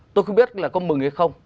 tôi không biết là có mừng hay không